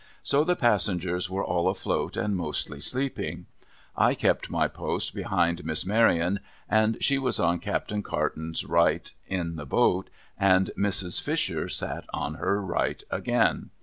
So, the passengers were all afloat, and mostly sleeping. I kept my [iost behind Miss Maryon, and she was on Captain Carton's right in the boat, and Mrs. Fisher sat on her right again.